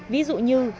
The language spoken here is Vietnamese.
ví dụ như